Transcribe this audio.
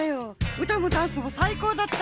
うたもダンスもさいこうだった。